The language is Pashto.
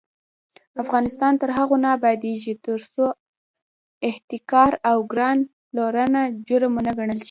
افغانستان تر هغو نه ابادیږي، ترڅو احتکار او ګران پلورنه جرم ونه ګڼل شي.